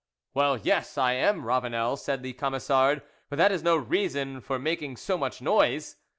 "Well, yes, I am Ravanel," said the Camisard, "but that is no reason for making so much noise."